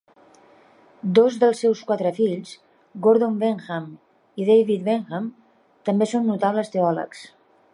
Dos dels seus quatre fills, Gordon Wenham i David Wenham, també són notables teòlegs.